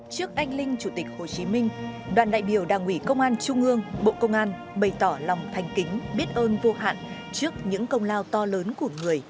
trước anh linh chủ tịch hồ chí minh đoàn đại biểu đảng ủy công an trung ương bộ công an bày tỏ lòng thanh kính biết ơn vô hạn trước những công lao to lớn của người